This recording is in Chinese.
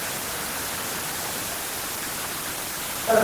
哈特山麓圣彼得是奥地利上奥地利州因河畔布劳瑙县的一个市镇。